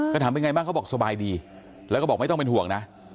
ก็ถามเป็นไงบ้างเขาบอกสบายดีแล้วก็บอกไม่ต้องเป็นห่วงนะ